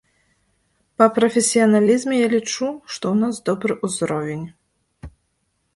Па прафесіяналізме, я лічу, што ў нас добры ўзровень.